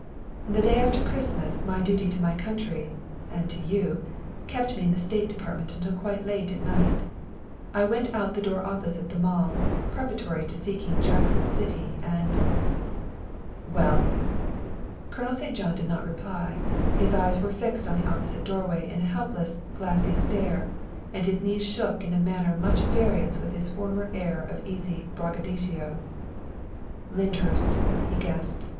The day after Christmas 220 THE WIFE OF my duty to my country and to you kept me in the State Department until quite late at night. I went out the door opposite the Mall, preparatory to seeking Jack son City, and " "Well?" Colonel St. John did not reply. His eyes were fixed on the opposite doorway in a helpless, glassy stare, and his knees shook in a manner much at variance with his former air of easy braggadocio. '' Lyndhurst !" he gasped.